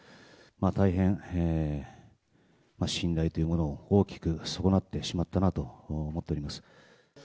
大変信頼というものを大きく損なってしまったなと思っております。